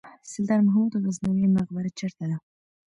سلطان محمود غزنوي مقبره چیرته ده؟